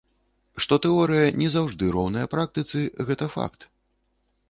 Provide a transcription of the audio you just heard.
Што тэорыя не заўжды роўная практыцы, гэта факт.